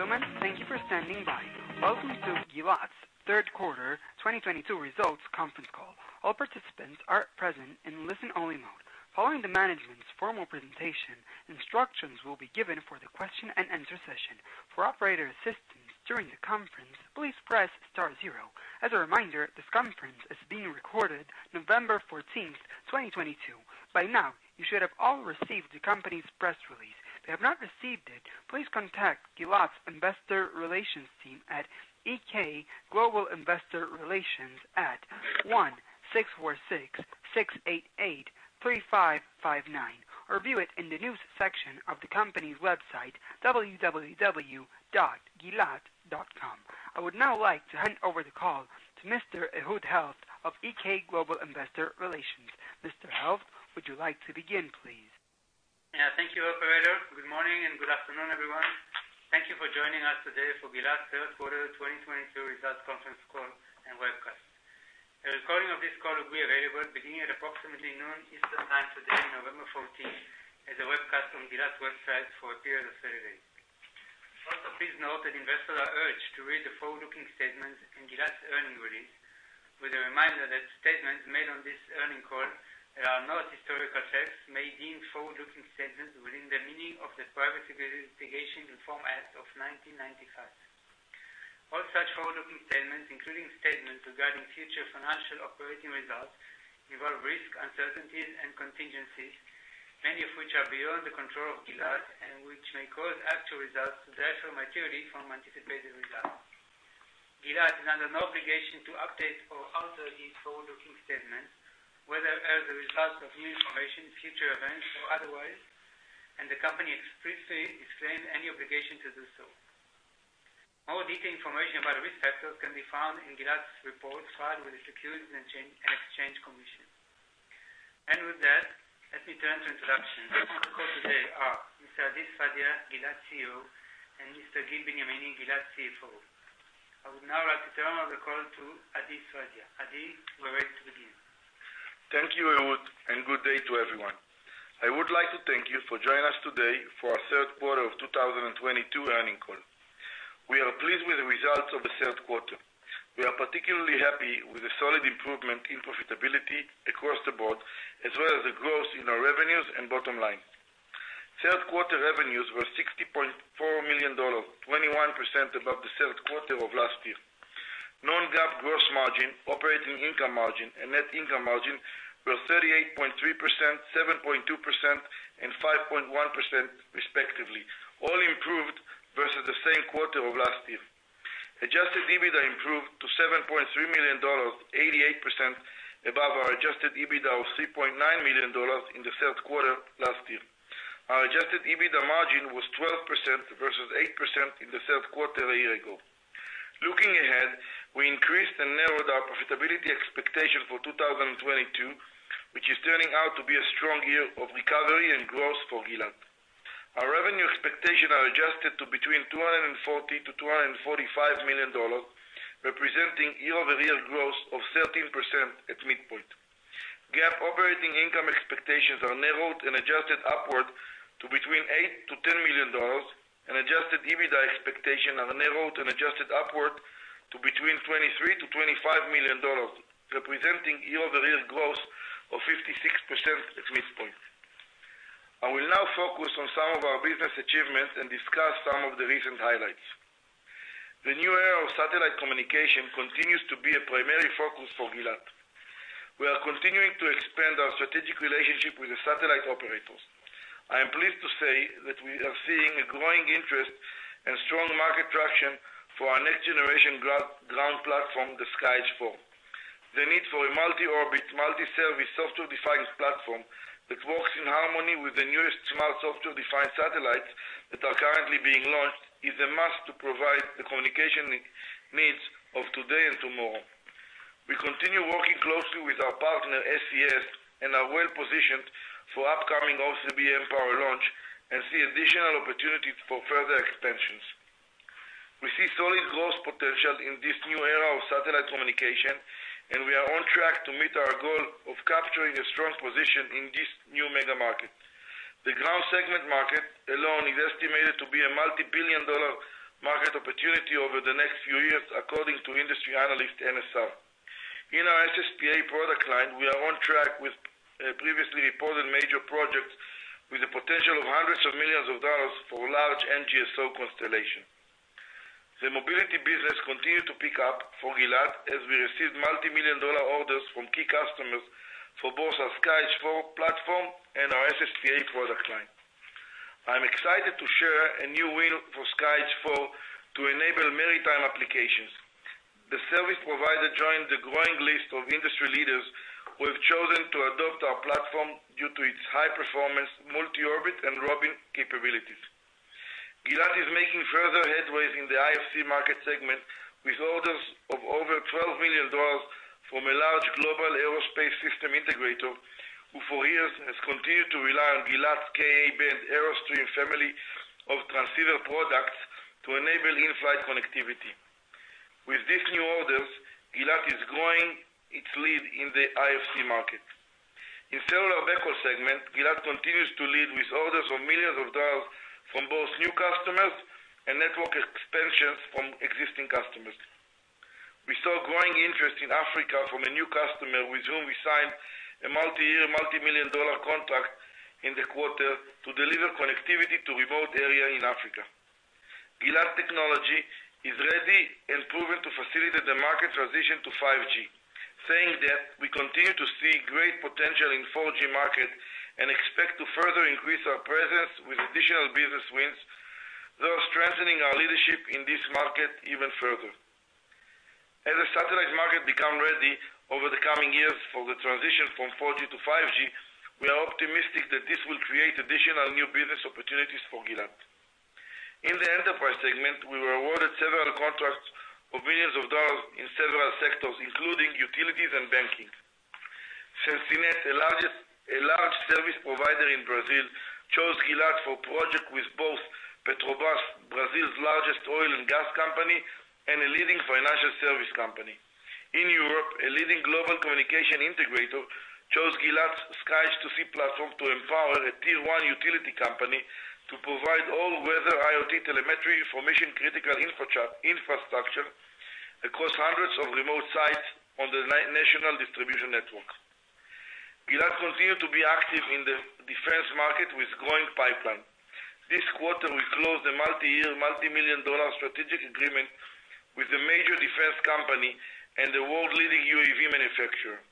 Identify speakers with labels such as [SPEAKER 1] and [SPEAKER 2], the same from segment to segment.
[SPEAKER 1] Ladies and gentlemen, thank you for standing by. Welcome to Gilat's Third Quarter 2022 Results Conference Call. All participants are present in listen-only mode. Following the management's formal presentation, instructions will be given for the question and answer session. For operator assistance during the conference, please press star zero. As a reminder, this conference is being recorded November 14, 2022. By now, you should have all received the company's press release. If you have not received it, please contact Gilat's Investor Relations team at EK Global Investor Relations at 1-646-688-3559, or view it in the news section of the company's website, www.gilat.com. I would now like to hand over the call to Mr. Ehud Helft of EK Global Investor Relations. Mr. Helft, would you like to begin, please?
[SPEAKER 2] Yeah. Thank you, operator. Good morning and good afternoon, everyone. Thank you for joining us today for Gilat's third Quarter 2022 Results Conference Call and Webcast. A recording of this call will be available beginning at approximately noon Eastern time today, November 14, as a webcast on Gilat's website for a period of 30 days. Also, please note that investors are urged to read the forward-looking statements in Gilat's earnings release with a reminder that statements made on this earnings call that are not historical facts may be deemed forward-looking statements within the meaning of the Private Securities Litigation Reform Act of 1995. All such forward-looking statements, including statements regarding future financial operating results, involve risks, uncertainties and contingencies, many of which are beyond the control of Gilat and which may cause actual results to differ materially from anticipated results. Gilat is under no obligation to update or alter these forward-looking statements, whether as a result of new information, future events or otherwise, and the company explicitly disclaims any obligation to do so. More detailed information about risk factors can be found in Gilat's reports filed with the Securities and Exchange Commission. With that, let me turn to introductions. On the call today are Mr. Adi Sfadia, Gilat CEO, and Mr. Gil Benyamini, Gilat CFO. I would now like to turn over the call to Adi Sfadia. Adi, we're ready to begin.
[SPEAKER 3] Thank you, Ehud, and good day to everyone. I would like to thank you for joining us today for our Third Quarter of 2022 Earnings Call. We are pleased with the results of the third quarter. We are particularly happy with the solid improvement in profitability across the board, as well as the growth in our revenues and bottom line. Third quarter revenues were $60.4 million, 21% above the third quarter of last year. Non-GAAP gross margin, operating income margin and net income margin were 38.3%, 7.2% and 5.1% respectively, all improved versus the same quarter of last year. Adjusted EBITDA improved to $7.3 million, 88% above our adjusted EBITDA of $3.9 million in the third quarter last year. Our adjusted EBITDA margin was 12% versus 8% in the third quarter a year ago. Looking ahead, we increased and narrowed our profitability expectation for 2022, which is turning out to be a strong year of recovery and growth for Gilat. Our revenue expectation are adjusted to between $240 million-$245 million, representing year-over-year growth of 13% at midpoint. GAAP operating income expectations are narrowed and adjusted upward to between $8 million-$10 million and adjusted EBITDA expectation are narrowed and adjusted upward to between $23 million-$25 million, representing year-over-year growth of 56% at midpoint. I will now focus on some of our business achievements and discuss some of the recent highlights. The new era of satellite communication continues to be a primary focus for Gilat. We are continuing to expand our strategic relationship with the satellite operators. I am pleased to say that we are seeing a growing interest and strong market traction for our next generation ground platform, the SkyEdge IV. The need for a multi-orbit, multi-service software-defined platform that works in harmony with the newest smart software-defined satellites that are currently being launched is a must to provide the communication needs of today and tomorrow. We continue working closely with our partner, SES, and are well positioned for upcoming O3b mPOWER launch and see additional opportunities for further expansions. We see solid growth potential in this new era of satellite communication, and we are on track to meet our goal of capturing a strong position in this new mega market. The ground segment market alone is estimated to be a multi-billion dollar market opportunity over the next few years, according to industry analyst NSR. In our SSPA product line, we are on track with previously reported major projects with the potential of $ hundreds of millions for large NGSO constellation. The mobility business continue to pick up for Gilat as we received $ multi-million orders from key customers for both our SkyEdge IV platform and our SSPA product line. I'm excited to share a new win for SkyEdge IV to enable maritime applications. The service provider joined the growing list of industry leaders who have chosen to adopt our platform due to its high performance, multi-orbit and roaming capabilities. Gilat is making further headway in the IFC market segment with orders of over $12 million from a large global aerospace system integrator, who for years has continued to rely on Gilat's Ka-band AeroStream family of transceiver products to enable in-flight connectivity. With these new orders, Gilat is growing its lead in the IFC market. In cellular backhaul segment, Gilat continues to lead with orders of $ millions from both new customers and network expansions from existing customers. We saw growing interest in Africa from a new customer with whom we signed a multi-year, $ multimillion-dollar contract in the quarter to deliver connectivity to remote area in Africa. Gilat technology is ready and proven to facilitate the market transition to 5G. Saying that, we continue to see great potential in 4G market and expect to further increase our presence with additional business wins, thus strengthening our leadership in this market even further. As the satellite market become ready over the coming years for the transition from 4G to 5G, we are optimistic that this will create additional new business opportunities for Gilat. In the enterprise segment, we were awarded several contracts of $ millions in several sectors, including utilities and banking. Sencinet, a large service provider in Brazil, chose Gilat for project with both Petrobras, Brazil's largest oil and gas company, and a leading financial service company. In Europe, a leading global communication integrator chose Gilat's SkyEdge-to-Sea platform to empower a tier-one utility company to provide all-weather IoT telemetry for mission-critical infrastructure across hundreds of remote sites on the national distribution network. Gilat continue to be active in the defense market with growing pipeline. This quarter, we closed a multi-year, multi-million-dollar strategic agreement with a major defense company and a world-leading UAV manufacturer.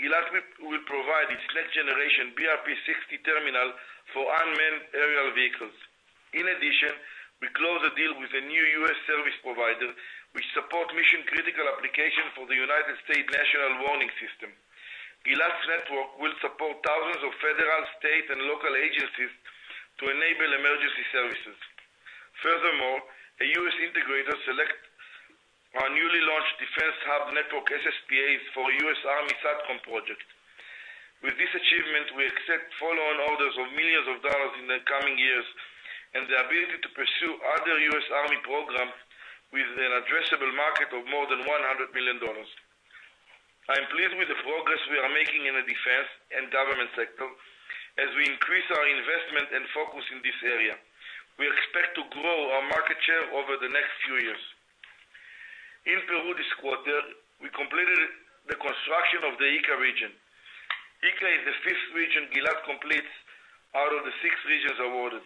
[SPEAKER 3] Gilat will provide its next-generation BRP60 terminal for unmanned aerial vehicles. In addition, we closed a deal with a new U.S. service provider which support mission-critical application for the United States' national warning system. Gilat's network will support thousands of federal, state, and local agencies to enable emergency services. Furthermore, a U.S. integrator selected our newly launched Defense Hub Network SSPAs for U.S. Army SATCOM project. With this achievement, we expect follow-on orders of $ millions in the coming years and the ability to pursue other U.S. Army program with an addressable market of more than $100 million. I am pleased with the progress we are making in the defense and government sector as we increase our investment and focus in this area. We expect to grow our market share over the next few years. In Peru this quarter, we completed the construction of the Ica region. Ica is the fifth region Gilat completes out of the six regions awarded.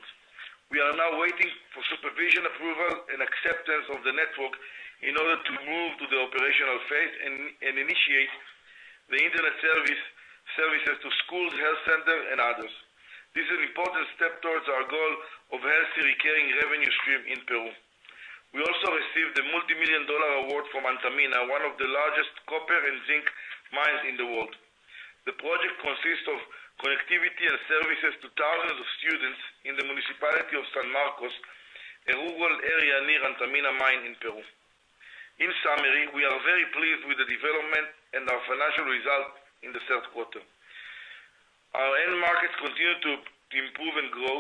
[SPEAKER 3] We are now waiting for supervision approval and acceptance of the network in order to move to the operational phase and initiate the internet services to schools, health center, and others. This is important step towards our goal of healthy recurring revenue stream in Peru. We also received a multimillion-dollar award from Antamina, one of the largest copper and zinc mines in the world. The project consists of connectivity and services to thousands of students in the municipality of San Marcos, a rural area near Antamina mine in Peru. In summary, we are very pleased with the development and our financial result in the third quarter. Our end markets continue to improve and grow.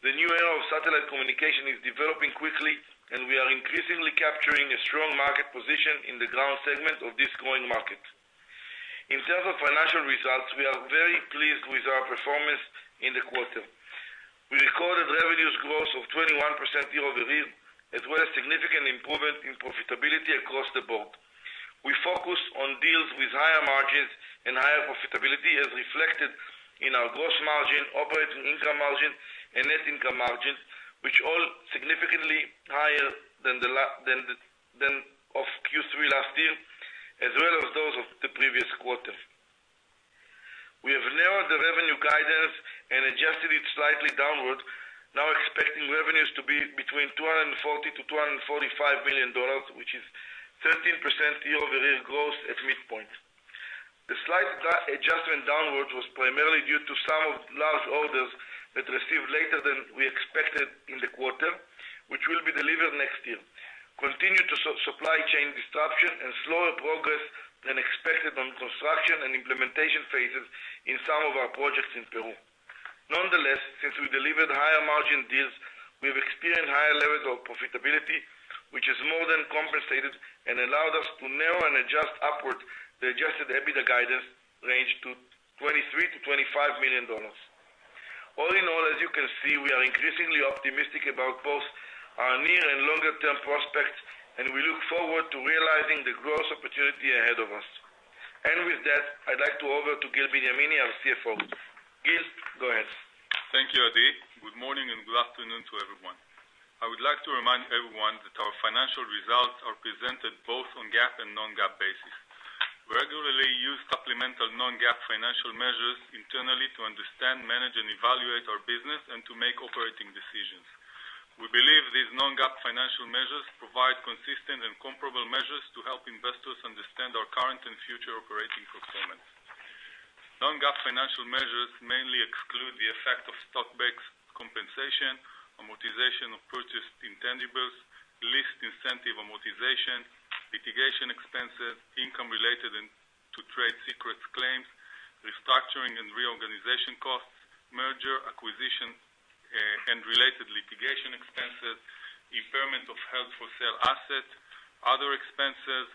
[SPEAKER 3] The new era of satellite communication is developing quickly, and we are increasingly capturing a strong market position in the ground segment of this growing market. In terms of financial results, we are very pleased with our performance in the quarter. We recorded revenues growth of 21% year-over-year, as well as significant improvement in profitability across the board. We focused on deals with higher margins and higher profitability as reflected in our gross margin, operating income margin, and net income margins, which all significantly higher than those of Q3 last year, as well as those of the previous quarter. We have narrowed the revenue guidance and adjusted it slightly downward, now expecting revenues to be between $240 million-$245 million, which is 13% year-over-year growth at midpoint. The slight adjustment downward was primarily due to some large orders that we received later than we expected in the quarter, which will be delivered next year. Continue to supply chain disruption and slower progress than expected on construction and implementation phases in some of our projects in Peru. Nonetheless, since we delivered higher-margin deals, we have experienced higher levels of profitability, which has more than compensated and allowed us to narrow and adjust upward the adjusted EBITDA guidance range to $23 million-$25 million. All in all, as you can see, we are increasingly optimistic about both our near and longer-term prospects, and we look forward to realizing the growth opportunity ahead of us. With that, I'd like to hand over to Gil Benyamini, our CFO. Gil, go ahead.
[SPEAKER 4] Thank you, Adi. Good morning, and good afternoon to everyone. I would like to remind everyone that our financial results are presented both on GAAP and non-GAAP basis. We regularly use supplemental non-GAAP financial measures internally to understand, manage, and evaluate our business and to make operating decisions. We believe these non-GAAP financial measures provide consistent and comparable measures to help investors understand our current and future operating performance. Non-GAAP financial measures mainly exclude the effect of stock-based compensation, amortization of purchased intangibles, lease incentive amortization, litigation expenses, income related to trade secrets claims, restructuring and reorganization costs, merger and acquisition expenses, impairment of held-for-sale assets, other expenses,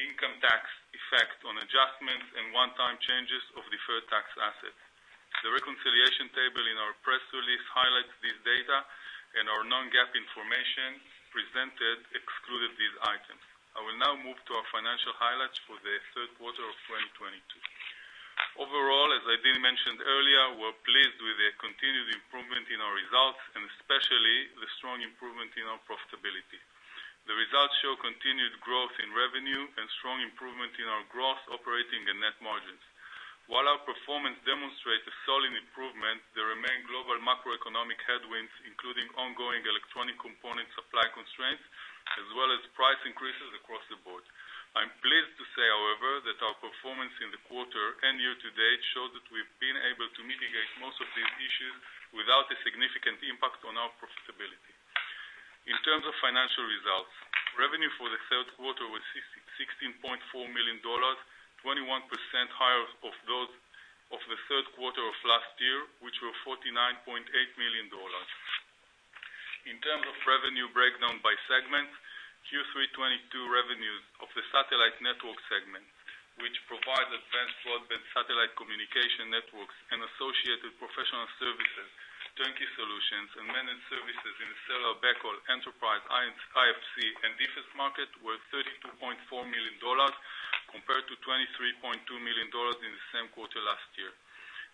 [SPEAKER 4] income tax effect on adjustments, and one-time changes of deferred tax assets. The reconciliation table in our press release highlights this data, and our non-GAAP information presented excluded these items. I will now move to our financial highlights for the third quarter of 2022. Overall, as Adi mentioned earlier, we're pleased with the continued improvement in our results, and especially the strong improvement in our profitability. The results show continued growth in revenue and strong improvement in our gross, operating, and net margins. While our performance demonstrates a solid improvement, there remain global macroeconomic headwinds, including ongoing electronic component supply constraints, as well as price increases across the board. I'm pleased to say, however, that our performance in the quarter and year-to-date show that we've been able to mitigate most of these issues without a significant impact on our profitability. In terms of financial results, revenue for the third quarter was $16.4 million, 21% higher than those of the third quarter of last year, which were $49.8 million. In terms of revenue breakdown by segment, Q3 2022 revenues of the satellite network segment, which provides advanced broadband satellite communication networks and associated professional services, turnkey solutions, and managed services in the cellular backhaul, enterprise, IFC, and defense market, were $32.4 million compared to $23.2 million in the same quarter last year.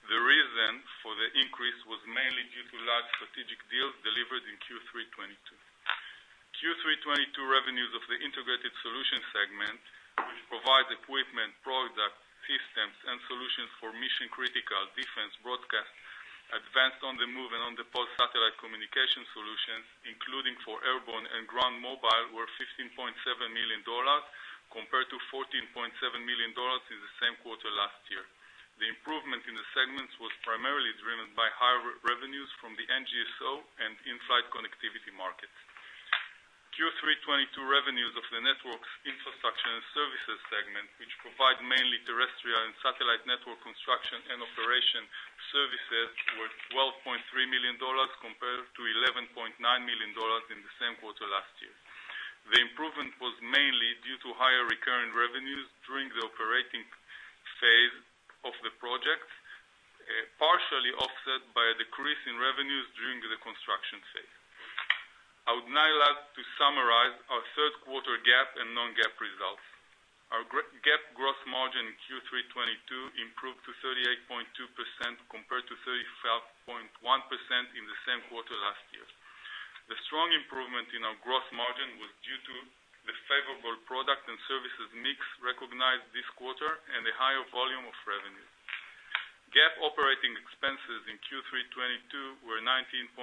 [SPEAKER 4] The reason for the increase was mainly due to large strategic deals delivered in Q3 2022. Q3 2022 revenues of the integrated solution segment, which provides equipment, products, systems, and solutions for mission-critical defense broadcast, advanced on-the-move and on-the-pause satellite communication solutions, including for airborne and ground mobile, were $15.7 million compared to $14.7 million in the same quarter last year. The improvement in the segments was primarily driven by higher revenues from the NGSO and in-flight connectivity markets. Q3 2022 revenues of the network's infrastructure and services segment, which provide mainly terrestrial and satellite network construction and operation services, were $12.3 million compared to $11.9 million in the same quarter last year. The improvement was mainly due to higher recurring revenues during the operating phase of the project, partially offset by a decrease in revenues during the construction phase. I would now like to summarize our third quarter GAAP and non-GAAP results. Our GAAP gross margin in Q3 2022 improved to 38.2% compared to 35.1% in the same quarter last year. The strong improvement in our gross margin was due to the favorable product and services mix recognized this quarter and a higher volume of revenue. GAAP operating expenses in Q3 2022 were $19.6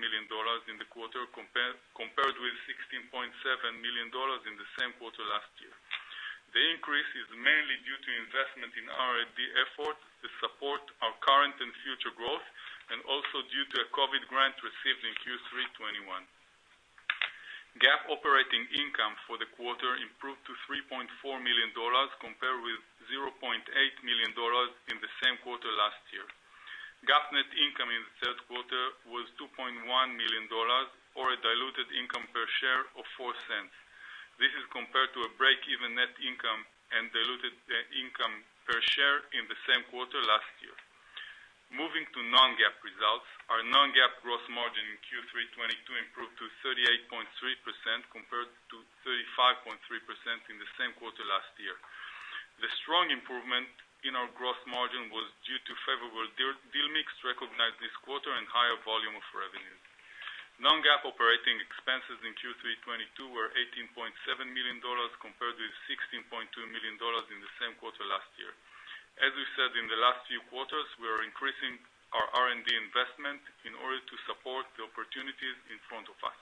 [SPEAKER 4] million in the quarter compared with $16.7 million in the same quarter last year. The increase is mainly due to investment in R&D efforts to support our current and future growth, and also due to a COVID grant received in Q3 2021. GAAP operating income for the quarter improved to $3.4 million, compared with $0.8 million in the same quarter last year. GAAP net income in the third quarter was $2.1 million or a diluted income per share of $0.04. This is compared to a break-even net income and diluted income per share in the same quarter last year. Moving to non-GAAP results, our non-GAAP gross margin in Q3 2022 improved to 38.3% compared to 35.3% in the same quarter last year. The strong improvement in our gross margin was due to favorable deal mix recognized this quarter and higher volume of revenue. Non-GAAP operating expenses in Q3 2022 were $18.7 million compared with $16.2 million in the same quarter last year. As we said in the last few quarters, we are increasing our R&D investment in order to support the opportunities in front of us.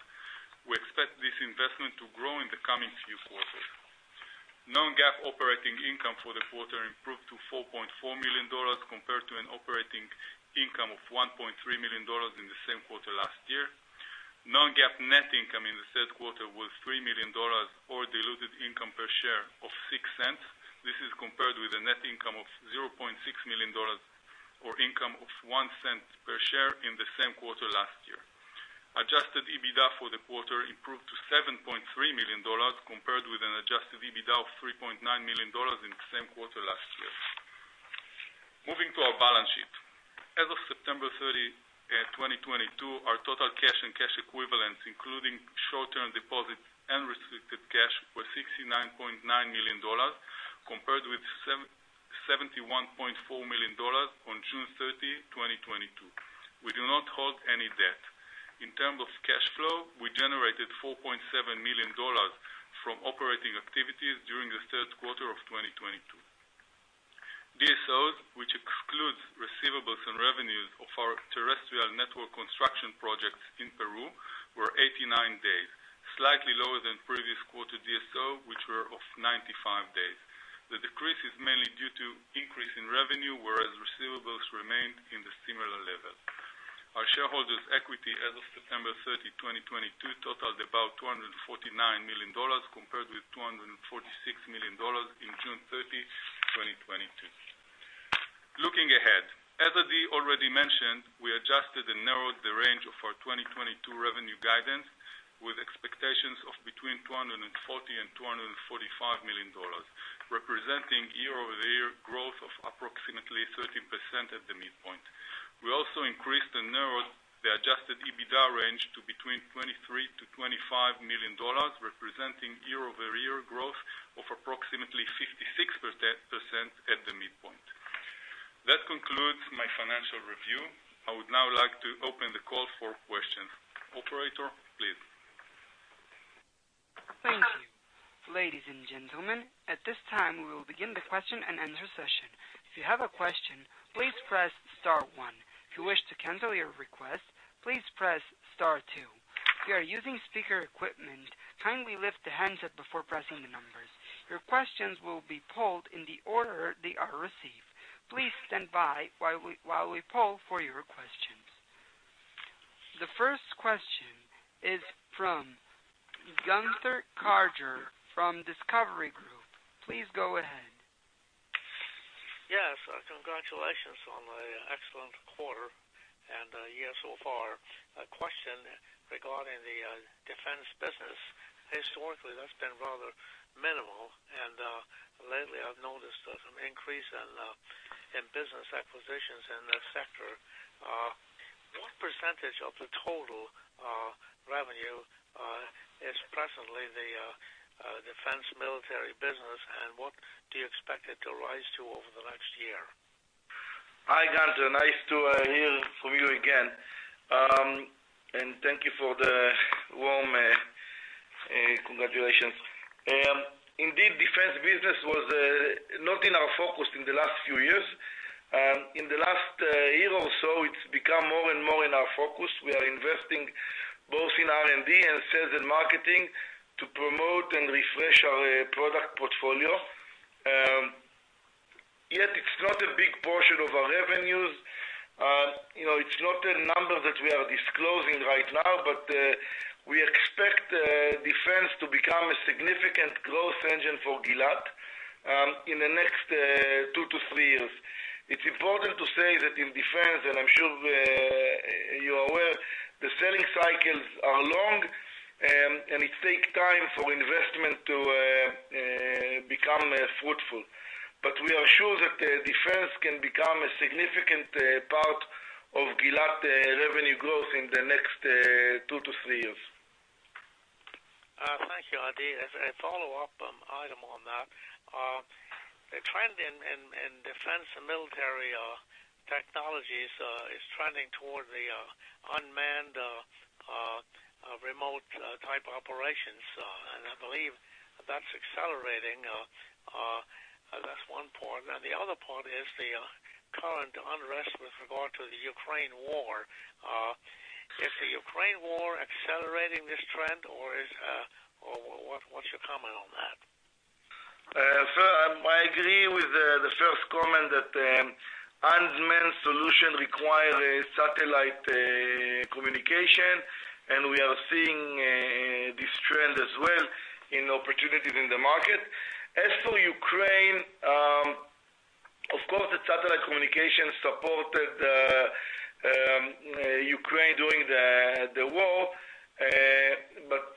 [SPEAKER 4] We expect this investment to grow in the coming few quarters. Non-GAAP operating income for the quarter improved to $4.4 million compared to an operating income of $1.3 million in the same quarter last year. Non-GAAP net income in the third quarter was $3 million or diluted income per share of $0.06. This is compared with a net income of $0.6 million or income of $0.01 per share in the same quarter last year. Adjusted EBITDA for the quarter improved to $7.3 million compared with an adjusted EBITDA of $3.9 million in the same quarter last year. Moving to our balance sheet. As of September 30, 2022, our total cash and cash equivalents, including short-term deposits and restricted cash, were $69.9 million compared with $71.4 million on June 30, 2022. We do not hold any debt. In terms of cash flow, we generated $4.7 million from operating activities during the third quarter of 2022. DSOs, which excludes receivables and revenues of our terrestrial network construction projects in Peru, were 89 days, slightly lower than previous quarter DSO, which were of 95 days. The decrease is mainly due to increase in revenue, whereas receivables remained in the similar level. Our shareholders' equity as of September 30, 2022, totaled about $249 million compared with $246 million in June 30, 2022. Looking ahead, as Adi already mentioned, we adjusted and narrowed the range of our 2022 revenue guidance with expectations of between $240 million and $245 million, representing year-over-year growth of approximately 13% at the midpoint. We also increased and narrowed the adjusted EBITDA range to between $23 million and $25 million, representing year-over-year growth of approximately 56% at the midpoint. That concludes my financial review. I would now like to open the call for questions. Operator, please.
[SPEAKER 1] Thank you. Ladies and gentlemen, at this time, we will begin the question and answer session. If you have a question, please press star one. If you wish to cancel your request, please press star two. If you are using speaker equipment, kindly lift the handset before pressing the numbers. Your questions will be polled in the order they are received. Please stand by while we poll for your questions. The first question is from Gunther Karger from Discovery Group. Please go ahead.
[SPEAKER 5] Yes. Congratulations on the excellent quarter and year so far. A question regarding the defense business. Historically, that's been rather minimal, and lately I've noticed an increase in business acquisitions in that sector. What percentage of the total revenue is presently the defense military business, and what do you expect it to rise to over the next year?
[SPEAKER 3] Hi, Gunther. Nice to hear from you again. Thank you for the warm congratulations. Indeed, defense business was not in our focus in the last few years. In the last year or so, it's become more and more in our focus. We are investing both in R&D and sales and marketing to promote and refresh our product portfolio. Yet it's not a big portion of our revenues. You know, it's not a number that we are disclosing right now, but we expect defense to become a significant growth engine for Gilat in the next 2-3 years. It's important to say that in defense, and I'm sure you're aware, the selling cycles are long and it takes time for investment to become fruitful. We are sure that defense can become a significant part of Gilat revenue growth in the next 2-3 years.
[SPEAKER 5] Thank you, Adi. As a follow-up item on that, the trend in defense and military technologies is trending toward the unmanned remote type operations. I believe that's accelerating. That's one point. The other point is the current unrest with regard to the Ukraine war. Is the Ukraine war accelerating this trend or what? What's your comment on that?
[SPEAKER 3] I agree with the first comment that unmanned solution require a satellite communication, and we are seeing this trend as well in opportunities in the market. As for Ukraine, of course, the satellite communication supported Ukraine during the war, but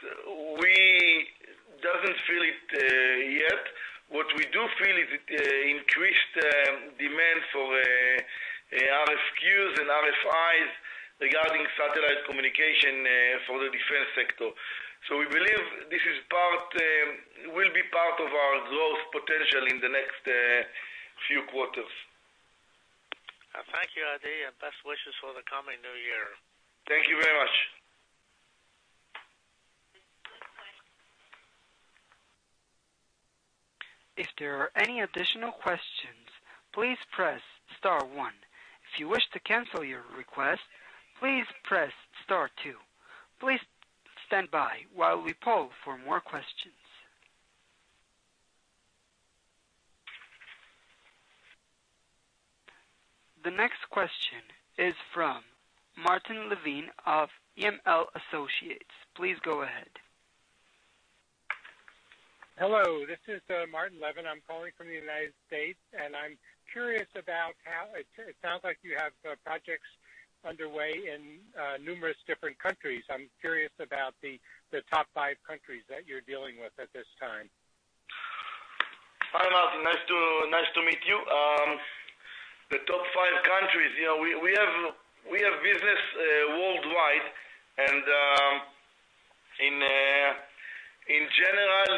[SPEAKER 3] we doesn't feel it yet. What we do feel is increased demand for RFQs and RFIs regarding satellite communication for the defense sector. We believe this will be part of our growth potential in the next few quarters.
[SPEAKER 5] Thank you, Adi, and best wishes for the coming new year.
[SPEAKER 3] Thank you very much.
[SPEAKER 1] If there are any additional questions, please press star one. If you wish to cancel your request, please press star two. Please stand by while we poll for more questions. The next question is from Martin Levine of M.A.L. Associates. Please go ahead.
[SPEAKER 6] Hello, this is Martin Levine. I'm calling from the United States, and I'm curious about how it sounds like you have projects underway in numerous different countries. I'm curious about the top five countries that you're dealing with at this time.
[SPEAKER 3] Hi, Martin. Nice to meet you. The top five countries, you know, we have business worldwide, and in general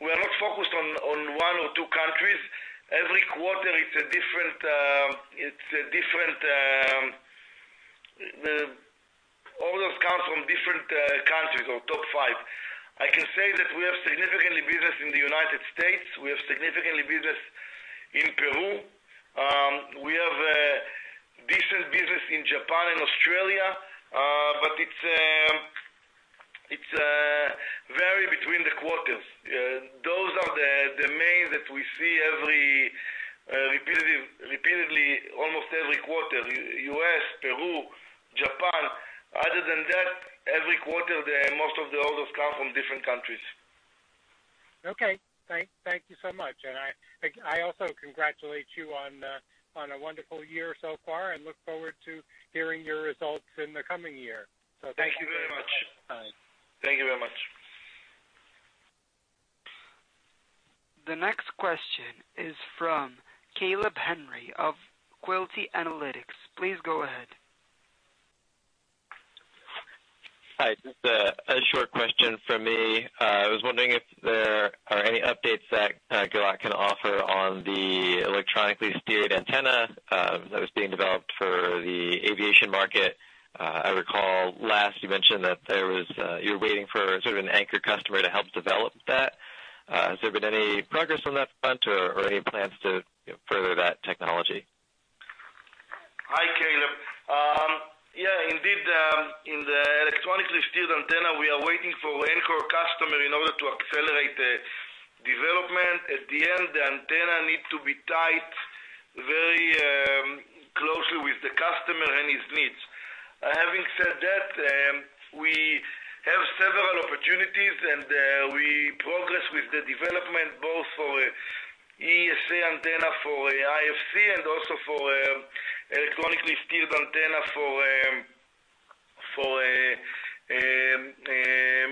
[SPEAKER 3] we are not focused on one or two countries. Every quarter, the orders come from different countries or top five. I can say that we have significant business in the United States, we have significant business in Peru, we have decent business in Japan and Australia, but it varies between the quarters. Those are the main that we see repetitive almost every quarter, U.S., Peru, Japan. Other than that, every quarter, most of the orders come from different countries.
[SPEAKER 6] Okay. Thank you so much. I also congratulate you on a wonderful year so far and look forward to hearing your results in the coming year. Thank you.
[SPEAKER 3] Thank you very much.
[SPEAKER 6] All right.
[SPEAKER 3] Thank you very much.
[SPEAKER 1] The next question is from Caleb Henry of Quilty Analytics. Please go ahead.
[SPEAKER 7] Hi. Just a short question from me. I was wondering if there are any updates that Gilat can offer on the electronically steered antenna that was being developed for the aviation market. I recall last you mentioned that you were waiting for sort of an anchor customer to help develop that. Has there been any progress on that front or any plans to further that technology?
[SPEAKER 3] Hi, Caleb. Yeah, indeed, in the electronically steered antenna, we are waiting for anchor customer in order to accelerate the development. At the end, the antenna need to be tied very closely with the customer and his needs. Having said that, we have several opportunities, and we progress with the development both for ESA antenna for IFC and also for electronically steered antenna for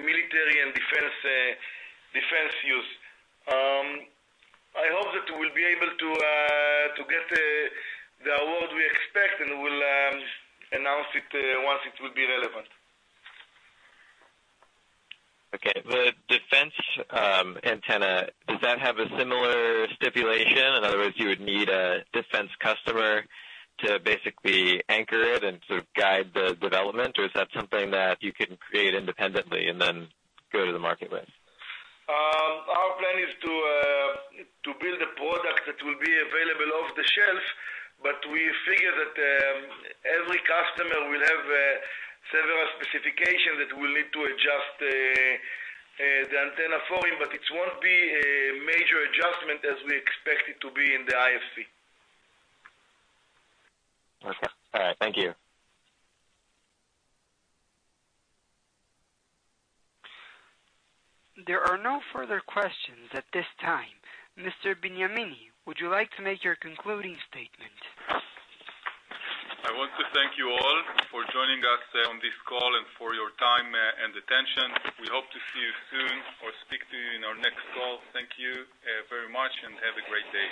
[SPEAKER 3] military and defense use. I hope that we'll be able to get the award we expect, and we'll announce it once it will be relevant.
[SPEAKER 7] Okay. The defense antenna, does that have a similar stipulation? In other words, you would need a defense customer to basically anchor it and to guide the development, or is that something that you can create independently and then go to the market with?
[SPEAKER 3] Our plan is to build a product that will be available off the shelf, but we figure that every customer will have several specifications that we'll need to adjust the antenna for him, but it won't be a major adjustment as we expect it to be in the IFC.
[SPEAKER 7] Okay. All right. Thank you.
[SPEAKER 1] There are no further questions at this time. Mr. Benyamini, would you like to make your concluding statement?
[SPEAKER 4] I want to thank you all for joining us on this call and for your time and attention. We hope to see you soon or speak to you in our next call. Thank you, very much and have a great day.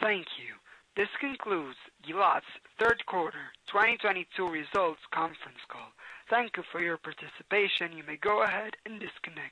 [SPEAKER 1] Thank you. This concludes Gilat's third quarter 2022 results conference call. Thank you for your participation. You may go ahead and disconnect.